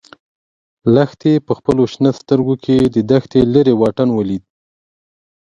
لښتې په خپلو شنه سترګو کې د دښتې لیرې واټن ولید.